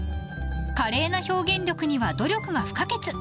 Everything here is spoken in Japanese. ［華麗な表現力には努力が不可欠］